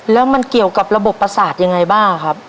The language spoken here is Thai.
แล้วมันเกี่ยวกับระบบประสาทยังไงบ้างครับ